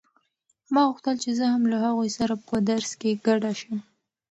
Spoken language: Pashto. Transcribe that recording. ما غوښتل چې زه هم له هغوی سره په درس کې ګډه شم.